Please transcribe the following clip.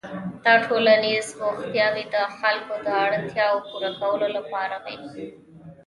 دا ټولنیز بوختیاوې د خلکو د اړتیاوو پوره کولو لپاره وې.